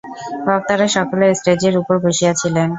বক্তারা সকলেই ষ্টেজের উপর বসিয়াছিলেন।